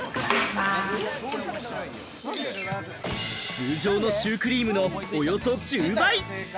通常の中クリームのおよそ１０倍。